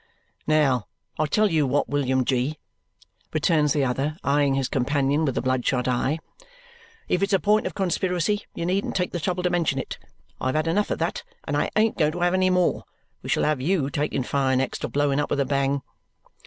"Now, I tell you what, William G.!" returns the other, eyeing his companion with a bloodshot eye. "If it's a point of conspiracy, you needn't take the trouble to mention it. I have had enough of that, and I ain't going to have any more. We shall have YOU taking fire next or blowing up with a bang."